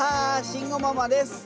慎吾ママです。